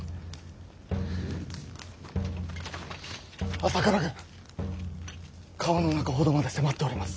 ・朝倉軍川の中ほどまで迫っております。